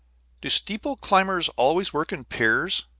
"Do steeple climbers always work in pairs?"